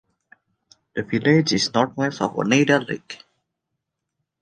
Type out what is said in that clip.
The village is northwest of Oneida Lake.